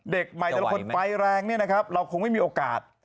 เด็กใหม่แต่ละคนไปแรงเนี่ยนะครับเราคงไม่มีโอกาส